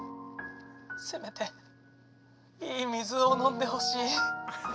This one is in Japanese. せめていい水を飲んでほしい！